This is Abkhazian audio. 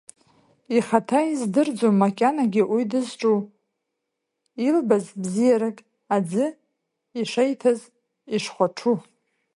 Ихаҭа издырӡом, макьанагьы уи дызҿу, илаз бзеирак, аӡы ишаиҭаз, ишхәаҽу…